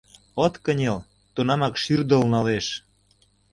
От кынел, тунамак шӱрдыл налеш.